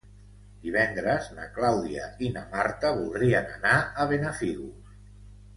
Divendres na Clàudia i na Marta voldrien anar a Benafigos.